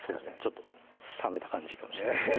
ちょっと冷めた感じかもしれないです